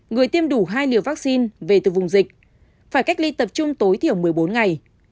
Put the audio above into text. người tiêm đủ hai liều vaccine về từ vùng dịch phải cách ly tập trung tối thiểu một mươi bốn ngày